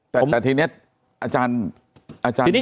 แต่ทีนี้อาจารย์